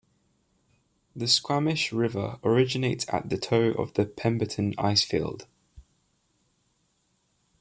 The Squamish River originates at the toe of the Pemberton Icefield.